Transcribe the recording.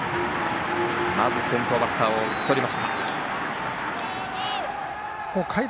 まず先頭バッター打ち取りました。